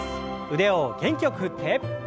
腕を元気よく振って。